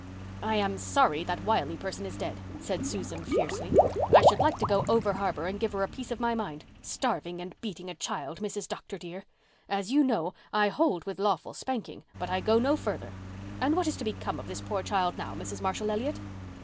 "I am sorry that Wiley person is dead," said Susan fiercely. "I should like to go over harbour and give her a piece of my mind. Starving and beating a child, Mrs. Dr. dear! As you know, I hold with lawful spanking, but I go no further. And what is to become of this poor child now, Mrs. Marshall Elliott?"